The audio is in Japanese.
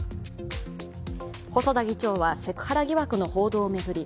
細田議長はセクハラ疑惑の報道を巡り